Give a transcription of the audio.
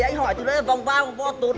anh cảm ơn mấy đứa